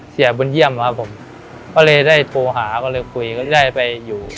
เสียบุญเยี่ยมครับผมก็เลยได้โทรหาก็เลยคุยก็ได้ไปอยู่